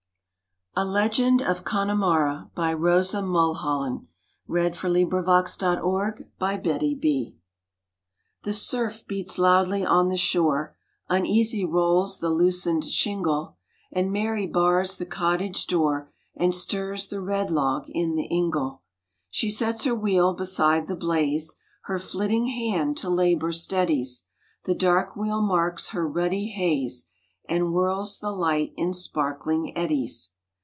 don't know when or why ! H Xeoett5 of Connemara HE surf beats loudly on the shore, Uneasy rolls the loosened shingle, And Mary bars the cottage door, And stirs the red log in the ingle. She sets her wheel beside the blaze, Her flitting hand to labour steadies, The dark wheel marks the ruddy haze, And whirls the light in sparkling eddies.